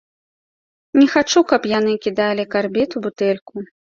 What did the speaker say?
Не хачу, каб яны кідалі карбід у бутэльку.